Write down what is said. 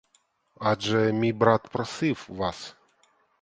Адже мій брат просив вас.